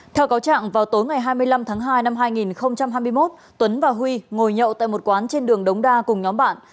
theo cáo trạng vào tối ngày hai mươi năm tháng hai năm hai nghìn hai mươi một tuấn và huy ngồi nhậu tại một quán trên đường đống đa cùng nhóm bạn